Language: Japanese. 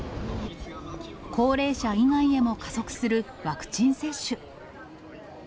高齢者以外へも加速するワクチン接種。